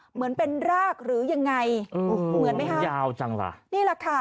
เหมือนเป็นรากหรือยังไงมันยาวจังหรอนี่แหละค่ะ